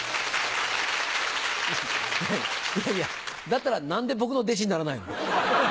いやいやだったら何で僕の弟子にならないの？